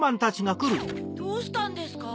どうしたんですか？